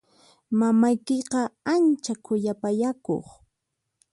Mamaykiqa ancha khuyapayakuq.